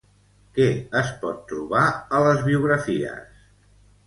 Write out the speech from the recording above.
Què es pot trobar a les biografies?